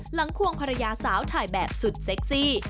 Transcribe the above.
ควงภรรยาสาวถ่ายแบบสุดเซ็กซี่